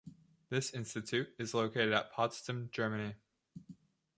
This institute is located at Potsdam, Germany.